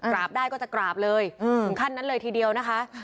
ได้ก็จะกราบเลยถึงขั้นนั้นเลยทีเดียวนะคะ